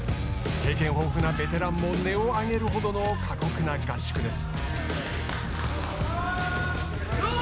経験豊富なベテランも音を上げるほどの過酷な合宿です。